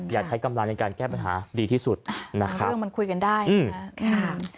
อยากใช้กำลังในการแก้ปัญหาดีที่สุดนะครับเรื่องมันคุยกันได้อืมค่ะ